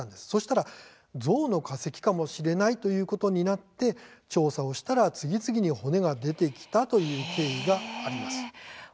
そうしたらゾウの化石かもしれないということになって調査をしたら次々に骨が出てきたという経緯があります。